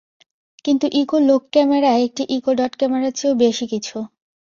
কিন্তু Echo Look camera একটি Echo Dot ক্যামেরার চেয়েও বেশি কিছু।